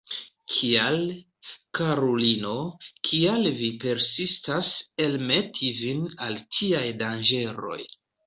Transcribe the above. Kial, karulino, kial vi persistas elmeti vin al tiaj danĝeroj?